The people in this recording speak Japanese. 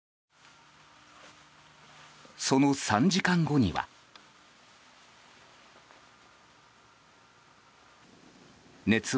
その３時間後には。